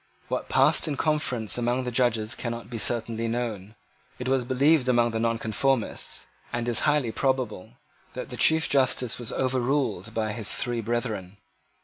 What passed in conference among the judges cannot be certainly known. It was believed among the Nonconformists, and is highly probable, that the Chief Justice was overruled by his three brethren.